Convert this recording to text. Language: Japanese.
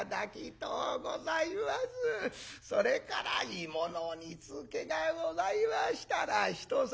それから芋の煮つけがございましたら一皿。